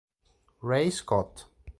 Ray Scott